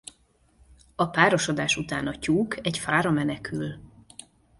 A párosodás után a tyúk egy fára menekül.